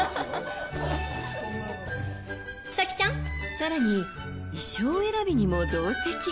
更に、衣装選びにも同席。